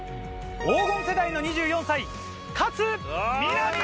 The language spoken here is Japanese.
黄金世代の２４歳勝みなみ。